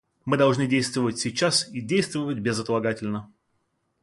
Мы должны действовать сейчас и действовать безотлагательно.